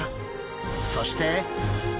そして！